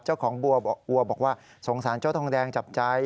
เจ้าของบัวบอกวัวบอกว่าสงสารเจ้าทองแดงจับใจ